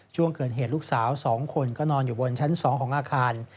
ช่วงเกิดเหตุลูกสาว๒คนก็นอนอยู่บนชั้น๒ของอาคาร